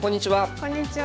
こんにちは。